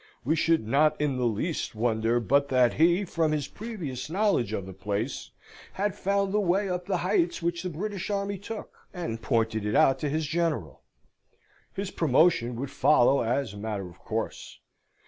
We should not in the least wonder but that he, from his previous knowledge of the place, had found the way up the heights which the British army took, and pointed it out to his General. His promotion would follow as a matter of course.